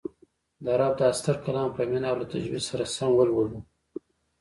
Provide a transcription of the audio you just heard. د رب دا ستر کلام په مینه او له تجوید سره سم ولولو